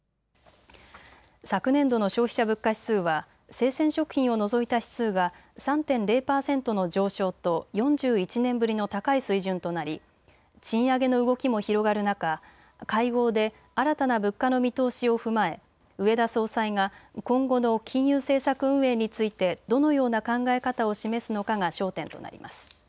昨年度の消費者物価指数は生鮮食品を除いた指数が３．０％の上昇と４１年ぶりの高い水準となり賃上げの動きも広がる中、会合で新たな物価の見通しを踏まえ植田総裁が今後の金融政策運営についてどのような考え方を示すのかが焦点となります。